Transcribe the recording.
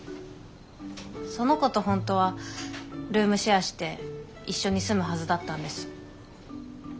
その子と本当はルームシェアして一緒に住むはずだったんです。